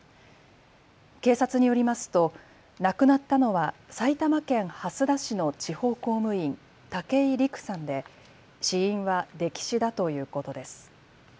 警察によりますと亡くなったのは埼玉県蓮田市の地方公務員、武井陸さんで死因は溺死だということです。